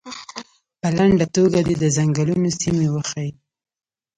په لنډه توګه دې د څنګلونو سیمې وښیي.